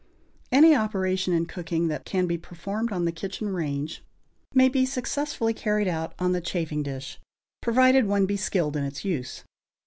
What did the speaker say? Any operation in cooking that can be performed on the kitchen range may be successfully carried out on the chafing dish, provided one be skilled in its use.